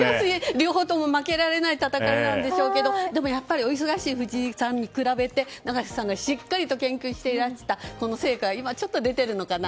両方とも負けられない戦いなんでしょうけどでも、やっぱりお忙しい藤井さんに比べて永瀬さんがしっかりと研究していらした成果が今、ちょっと出てるのかな。